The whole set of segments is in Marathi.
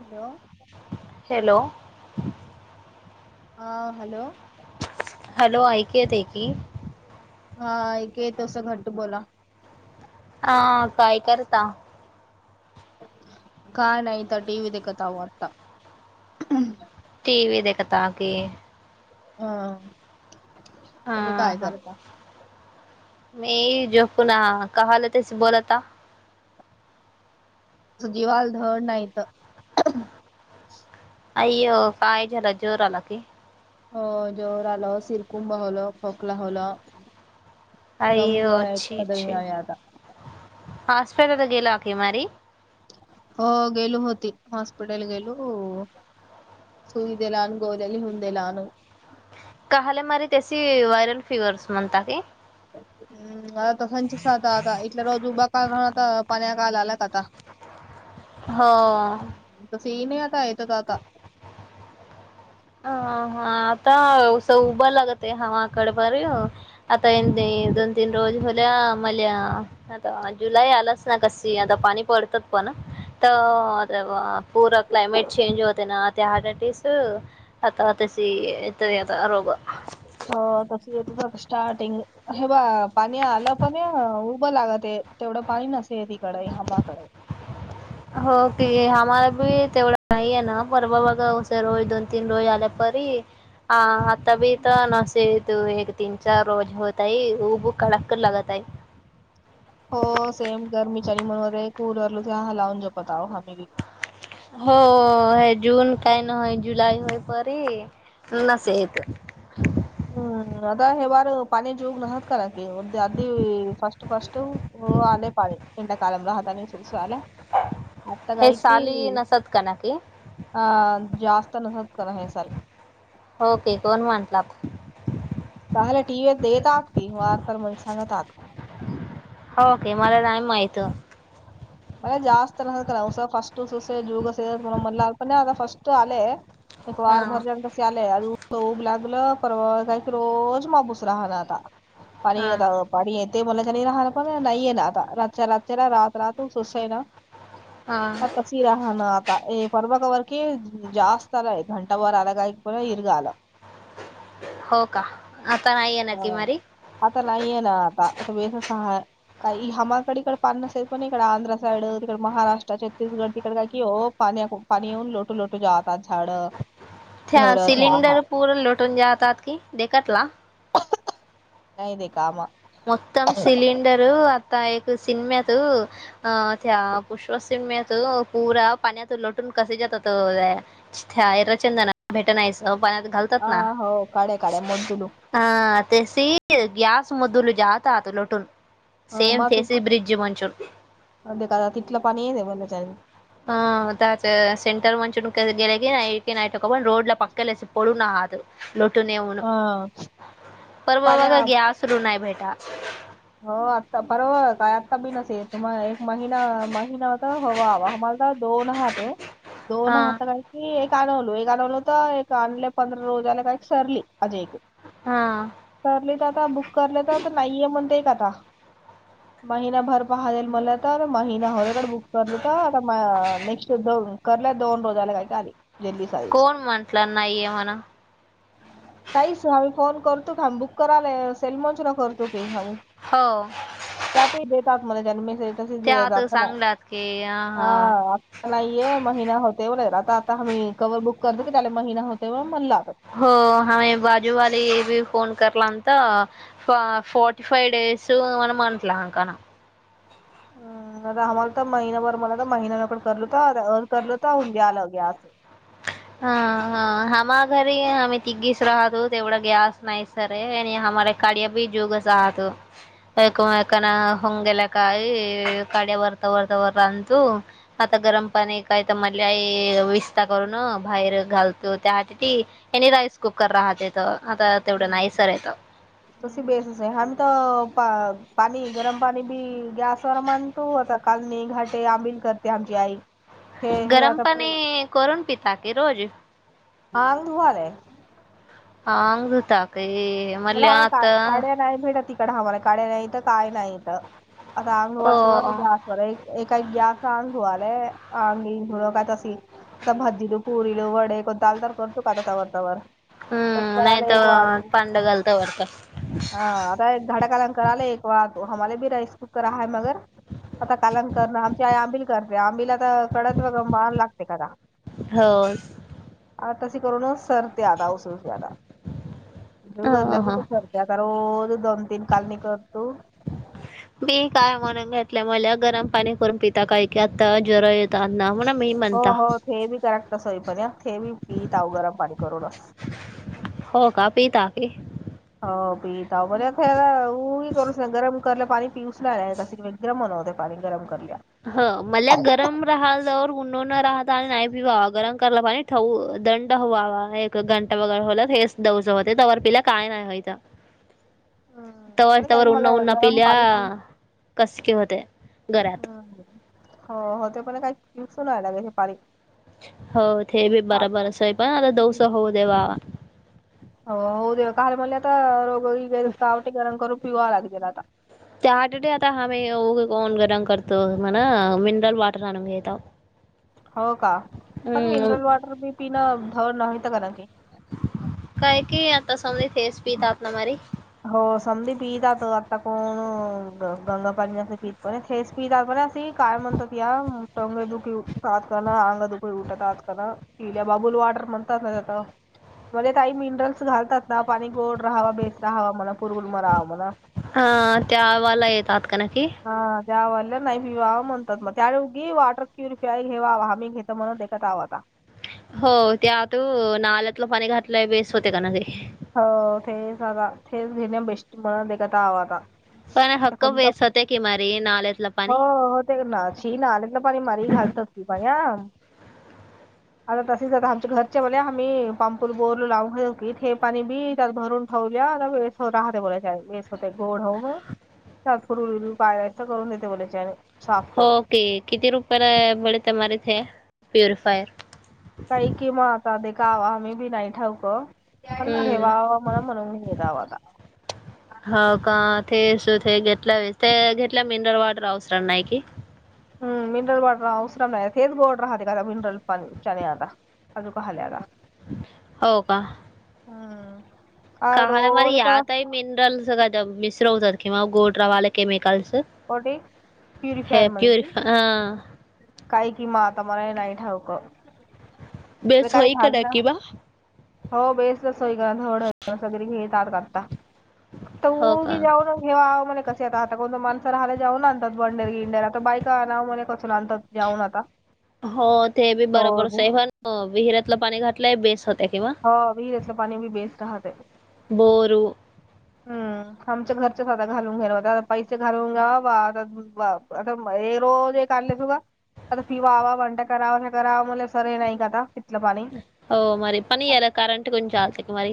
हॅलो हॅलो हा हॅलो हॅलो ऐकेत की हा क य तसं घट बोला हा काय करता काय नाहीता टी व्ही देखत वाटता टी व दे कता क हा हा ह मी जो पुन्हा कलं तस बोलता जीवालधड नाहीत अयो कायजला जोरला की हो जोर आल सिरकुंभ होल खोकला होल अयो अ्छ अछ कदळी आहे आता हॉस्पिटल तर गेला की मारी हो गेलू होती हॉस्पिटल गेलू सई दे लाहान गोलेली हे लहान काले मारी त्याशी वयरल फिवर्स म्हणता की हम्म आता संचसता आता इटल्या रोज उभा काहणारता पान्या काल आला का आता हो सी नाही आता येत आता अ हा आता व्यवसा उभं लागत आहे हवाकडे बारी आता ए दोन तीन रोज होल्या मल्या आता जुलै आलाच ना कशी आता पाणी पडतात पण तर पूरा क्लायमेट चेंज होते ना ते हटस आता तशीी इथ याता रोग अ तस येत स्टार्टिंग हे बा पाणी आलं पण उभं लागत आहे तेवढं पाणी नसेय तिकडे हमाकडे हो की आम्हाला बी तेवढं नाहीये ना पर बाबाघा रोज दोन तीन रोज आल्यापरी हाताब तर नसे तू एक तीन चार रोज होतय उब कडक कर लगातय. हो सेम गर्मीच्या निमनमध्येे कूलरलो किवा ह लावून जपत आो हम्ही बिक. हो हे जून काय ना जुलै होय परी लस येत. ह्म आता हे बार पाणी जूग नसात का की अधी फस्ट फस्ट हो आले पाळेंड्या कालम राहात आणि सुरस आलं आता हे काय कि साली नसत का ना की हा जास्त नसत करा हे सलख होके कोण म्हटला चले टीव्हीत देत आहात की वार सार म्ह सांगत आहाती. होके मला नाही माहित. म जास्त फस्ट ससे जुग स मप फस्ट आले. एक हा वार भर जात. लय अजून स उब लागलं परवा काय क रोज मापूस राहला आता पाणी हा येत पाणी येते मलाच्यानी राहणार पण नाहीये ना आता रात रातलाात ह तू सोसा आहे ना. हां. शिरा हान आता हे पर्वाग वरकीे जास्त आलाय घंटा वार अलागा एक पर इरगाला. हो का आता नाहीये ना की आलं मारी आता नाहीये ना आता आता बेस काही हमाकडे इकडे पान नसेेल. पण इकड आंध्रा साईड तिकड महाराष्ट्र छत्तीसगड तिकड का क हो पाणी पाणीऊन लोटू लोटू जात. पा झााड. त्या सिलेिंडर पूर लोटून जातात की कतला नाही देे कामा मतम सिलीडर आता एकक सिनमत अं त्या पुष्पसिम्यात पुरा पाण्यात लटून कसे जातात. रचंदना भेटायचं पाण्यातत घाल. अ हो काढ काढ म तु नू हा ते सी गॅस मधुल जात तो लटून सेम तेसी ब्रिडजी म्हणचून अ ते का तिथलं पाणी येत बच्या ह द सेटर म्हणक गेलेकी नईट नईटकपण रोड ला पक्ेलेस पोड ना हा. लोटून येऊन हा परवा पाण्या बघा घेसरू नाही भेटा. हो आत्ता बरोब काय आत्ता बी नसेल तुम्हा एक महिना महिनाता हवा हवा्हाला दोन हात दोन हा हात काय? की एक आणनवलो एक अनवलो तर एक आणले पंधरा रोज आला काय एक सरली अजे एकक. हा. ठलेत आता बुक करले तरता नाहीये म्हणते का आता महिनाभर पाहाजईल मला आता महिना होरकड बुक करलता आता नेक्स्ट दोन ल्या दोन रोजाला काय काली जल् कोण म्हटला नाहीये म्हणा. काहीच आही फोन करतो काम्ही बुक करायला सेलमंचला करतो काहीम्ही. हो. त्यातही देतातत्मध्ये जन्ेस. त्या आता सांगल्यात की ह हा- नाहीये महिना होतेवर आता आता आम्ही कवर बुक करतो की त्याला महिना होतेवर म्हणला. हो आम बाजूवाली बी फोन करलाम तर फोर्ी फाव्ह डडेस म्हण म्हंटलाकाना आम्हाला तर महिनाभर मला तर महिना नकण करल होता करल होतून द्या आलं ग्या अस. हा हा हमा घरी आम्ही तिघीच राहतो तेवढा गॅस नाही. सरे हमारे काड्या भी जुगसहातो अकमकन होंगेल काय कडे्या बरत बरत बरंतु आता गरम पण एक काय तर मधली विस्त करून बाहेर घालतो त्या आ आणिनी राइस कुकर राहते येत आता तेवढं नाहीसर येत त बेस हम तर पाणी गरम पाणी भी गॅस स्वरमान तू होता कालणी घाटे आंबिल करते आमची आई. हे हे गरम आता पाणी करून पिता क रोज. हांगधुवालेय. हां अंगताा काय मला मले आम्हाला का आता. काड्या नाही भेटत तिकड आम्हाला काडे नाहीत काय नाहीत आता अंग हो जास्त. बर एक एका एक गॅस अंगधु आलाय अंगीधण काय तशी आता भदीु- पुरीील वडे कोण ाल तल करतो का आता तवर तवर तस करायला एक वाढतो. वत हा आता एक धडाकालंकर आला एक वा आम्हाला बी राईस कुकर आहेाय मगर. आता कालंकरण आमची आई आंबिल करते आंबिला तर कडत व वा लागते कदा हो आ तस करो ना सर त्या आदा अस्यादा ग हां, लगी हां. तर सरते आता रोज दोन तीन कालनी करतू मी काय म्हणून घेतल्या मल्या गरम पाणी करून पिता काही की आता जरा य द ना म्हणा मी म्हनता थे बी कराक्ट सोई पण थे बी पीतऊ गरम पाणी करू नस हो का पी तक हो पी त पर खाला इ करूस ना घर मु करल पाणी पीऊस लालाय का सि गरम होला ते पाणी गरम करल्याया ह मल्या गरम राहा जवळ उंडो न राहत आणि नाही भी बावा गरम कराला पाणी दंड हवावा एक घंटा वगैर होला ते हेच दज होते त्यावर पिला काय नाही व्हायचं तवार पण काही तवर उ्हा मला उन्हा गरम पिल्या पाणी पिऊ कसक होते घरा हो हो ते पण काही ट्यवशन व्हायलागेयचे पाारी हो ते बी बरोबर असंय पण आता दोस आत होऊ देवा हो हो दे काल म आता रोगगयात कावट गार कर र पिगवा आला गेला आता त्या आठडे आता हमही उघ कोन गरम करतो म्हणा मिनरल वॉटर आणून घेतेतो हो का पण मिनरल वॉटर ब पिणं धड नवत काण की काय की आता समज तेस पीता आपला मारी हो समधी पितातो आता कोण ग गंगा पाण्याच प पण थेस पितात बर अशी काय म्हणतात या टोंग दुखी उठत आजका अंग दुखी उठत आजकाला पिल्या बाबूल वाडर म्हणतात ना त्या मध्ये काही मिनरल्स घालतात ना पाणी गोड राहावा बेस राहावा म्हणा पुरगुल मरावा म्हणा ह त्यावाला येतात का न ककी हा त्यावरला नाही पिवावा म्हणतात मग त्या उगी वॉटर क्युरिफाय घेवावा हम्ही घेतो म्हणत आवं आता हो ते आत नाल्यातलं पाणी घातलंय बेस होते का ना ते हो तेच आता तेच घेणे बेस्ट म्हणततावा आता पण ते हक्क कोणता वेस् होते्या की माारी नालेेतलं हो पाणी हो ते ना ना आले तर पाणी मारी घालत अस त पण आ आता तसेच आता आमच्या घरच्या म्हले आम्ही पांपर बोर लावून घ पाणी बी त्यात भरून ठेवल्या वे राहते बोला वेस होते गोड होऊ फुरूिर पाय तर करून देते बोोलच्या आणि साफ करून होके किती रुपयाला मिळेथ प्युरिफायर काही किमताध काव आम्ही बी नाही ठावक पण ठेवा मला म्हणून घेतवाता च हो का ते सुू ते घेतला व ते घेतल्या मिनरल वॉटर अवसर नाही की हम् म मिनरल वाटर अवसरम नाही तेच बॉडर राहते का मनरल च आता अज काल्याला हो का हम्म काहाला मर याताही म मिनरलस कदा मिश्र होतात किंवा गोड रवाला क केमिकलस होटे प्युरिफायर मध्ये क ह काही किमा आता मला नाही ठावक बेस काय होई का झाल ना नक्की बा हो बेस सोयकर ड वगैरे घेतात आता तर हो का उगी जाऊ ना घेवा मला कसं आता कोणत माणस रायला जाऊन आणतात बंडेरि इंडेर आ तर बाका नाव मणे कसून आणतात जाऊन आता हो ते बी रोज बरोबरच आहे पण विहिर्यातलं पाणी घातलंय बेस होत्या किंवा हो विहीरतलं पाणी बी बेस्ट राहते बोरो ह हम्म आमच्या घरच्या साधा घालून घेणारता पैसे घालून घ्या बा आता आता रोज काढ आता पिवावाण करा करावा म सर हे नाही का आता तिथलं पाणी होओ मर पणी येला करंट कोण जा आस्तिक मार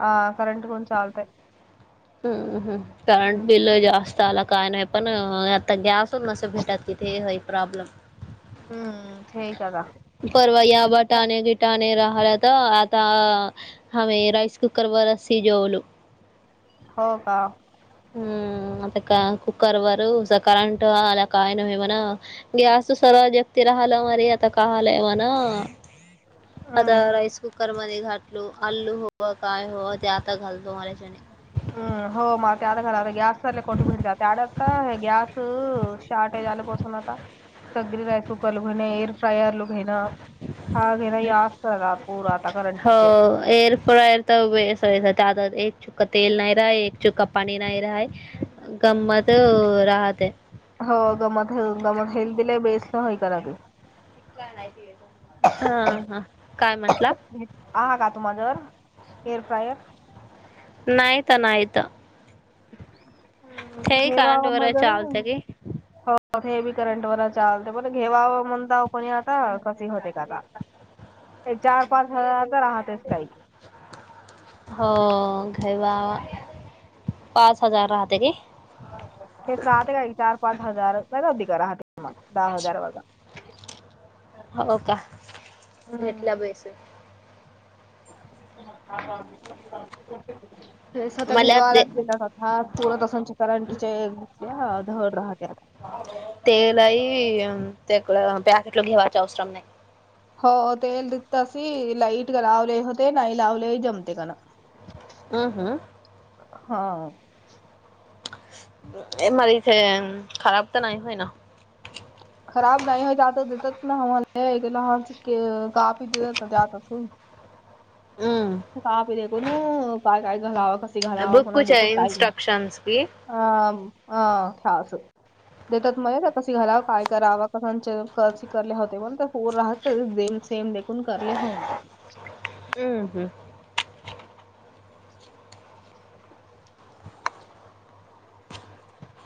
ह करंट कोण आचालताय हम्मम हम्म करंट बिल जास्त आला काय नाही पण आता गॅस मसे भेटात किथ ह प्रॉब्लेम हम्म ठी का का परवया बटाणे गिटाणे राहल्या तर आता हम राईस कुकरवर र सीजवलो हो का हम्म आता का ककरर् वर करंट अला कायन एमना गे असं सरळ व्यक्ती राहालं मरे आता काहालायव ना आता हम्म राईस कुकर मध्ये घाटलू आल्लू होव काय हो ते आता घालतो मऱ्याच्याने हम्म, हो मग ते आता घला गॅस चाले कोटे भिडते त्याड आता गॅस शॉर््टेज आलं बसून आता सग्री राईस कुकर ल म्हणे एअर फ्रायर ल घेण छहा घेण याज पूर आता हो करंटीचे एअर फ्ररस तादत एक चुक्का तल नाही रा चुकापाणी नाही रा गम्मत राहत हो गमत हे गमत हेल् बला बेस्ट नय कराग हा हा काय म्हंटलं आ का तुम्हा जर हेअर फ्रायर नाहीत नाहीत ते कारणट वगैरे चालत की कठे हे बी करंट वर चालते पण घेवा म्हणता कोणी आता कशी होते का ते चार पाच हजार तर राहतेच काैकी हो घरवा पाच हजार राहते कि हेच राहते काही चार पाच हजार अध का राहते म दहा हजार वगा हो का रटल्या बस ते स्वत मला घेवा ते लागते हा चरत असांची कारण तिच्यास धड राहते आता तेलई तेड पॅकेट ल घेवाच अवसरम नाही हो तेल दिता स लाईट का लावले होते नाही लावले जमते काण हम हम् हा मारीथ खराब तर नाहीय होय ना खराब नाही हो त्याता देतात ना हम्हाला लहान कापी देतात ना त्याच हम्म. [unintelligible] काय काय घलावा कस अभी कुछ है इन्स्ट्रक्शन भी अ [unintelligible] [unintelligible] सेम देखून करले ह. हम्म हम्म.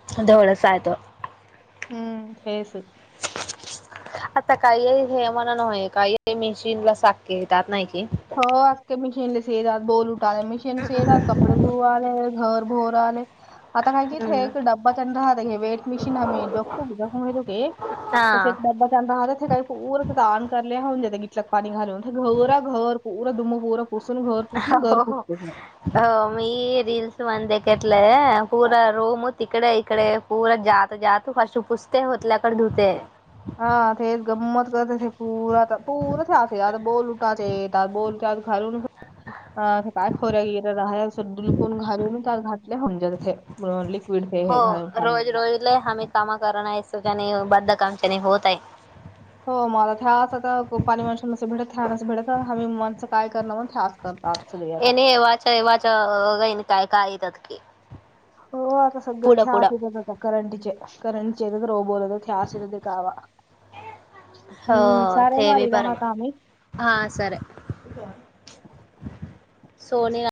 [unintelligible] हम्म हेस. [unintelligible] आता काही हे म्हणा नय काही मेशीन ला साक्येतात नाही की. [unintelligible] [unintelligible] [unintelligible] हा [unintelligible] [unintelligible] हो [unintelligible] हो मी रीलल्स वंद एकटला पूरा रोम तिकडे इकडे पुर जात जात हशुपसते होतल्याकडे धुते. [unintelligible] [unintelligible] हो [unintelligible] [unintelligible] [unintelligible] [unintelligible] पुढं पुढं [unintelligible] हो, थे बी बर्मा. [unintelligible] हा सर सोनी